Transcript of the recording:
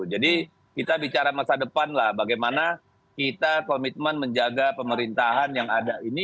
jadi kita bicara masa depan lah bagaimana kita komitmen menjaga pemerintahan yang ada ini